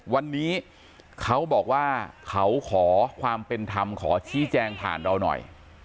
วันนี้เขาบอกว่าเขาขอความเป็นธรรมขอชี้แจงผ่านเราหน่อย